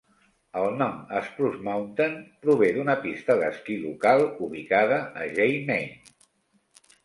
El nom "Spruce Mountain" prové d'una pista d'esquí local, ubicada a Jay Maine.